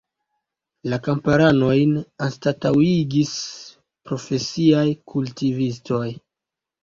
La kamparanojn anstataŭigis profesiaj kultivistoj.